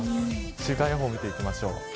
週間予報見ていきましょう。